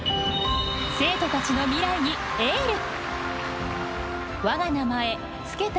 生徒たちの未来にエール！